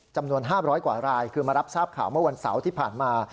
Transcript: จำนวน๕๐๐กว่ารายคือมารับทราบข่าวเมื่อวันเสาร์ที่ผ่านมา